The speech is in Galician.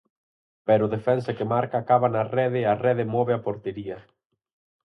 Pero o defensa que marca acaba na rede e a rede move a portería.